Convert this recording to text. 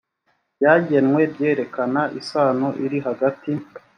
byagenwe byerekana isano iri hagati